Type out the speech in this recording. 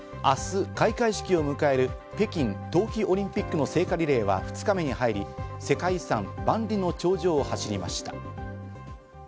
明日、開会式を迎える北京冬季オリンピックの聖火リレーは２日目に入り、世界遺産・万里の長城を走りました。